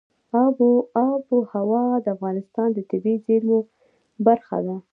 آب وهوا د افغانستان د طبیعي زیرمو برخه ده.